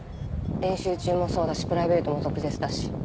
練習中もそうだしプライベートも毒舌だし。